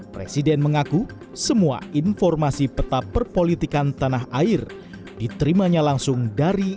presiden mengaku semua informasi peta perpolitikan tanah air diterimanya langsung dari